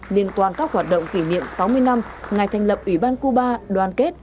liên quan các hoạt động kỷ niệm sáu mươi năm ngày thành lập ủy ban cuba đoàn kết